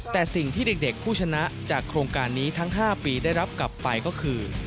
แต่สิ่งที่เด็กผู้ชนะจากโครงการนี้ทั้ง๕ปีได้รับกลับไปก็คือ